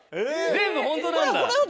全部ホントなんだ。